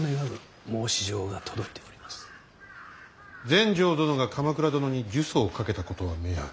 全成殿が鎌倉殿に呪詛をかけたことは明白。